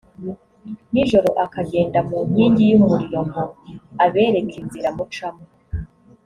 nijoro akagenda mu nkingi y’umuriro ngo abereke inzira mucamo